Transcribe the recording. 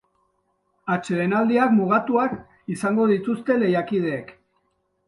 Atsedenaldiak mugatuak izango dituzte lehiakideek.